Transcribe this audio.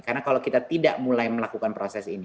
karena kalau kita tidak mulai melakukan proses ini